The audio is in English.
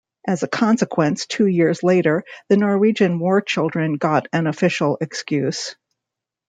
As a consequence, two years later the Norwegian war children got an official excuse.